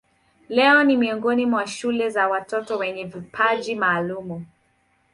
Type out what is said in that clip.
Leo ni miongoni mwa shule za watoto wenye vipaji maalumu.